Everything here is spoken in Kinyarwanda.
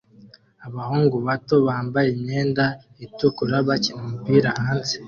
Abahungu bato bambaye imyenda itukura bakina umupira hanze